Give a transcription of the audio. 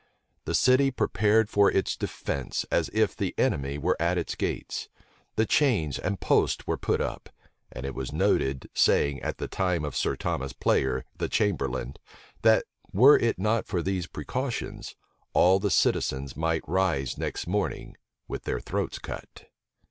The city prepared for its defence as if the enemy were at its gates: the chains and posts were put up: and it was a noted saying at that time of Sir Thomas Player, the chamberlain, that, were it not for these precautions, all the citizens might rise next morning with their throats cut.